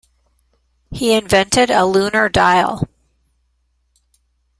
He invented a lunar dial.